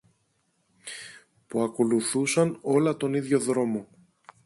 που ακολουθούσαν όλα τον ίδιο δρόμο